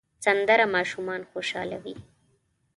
سندره ماشومان خوشحالوي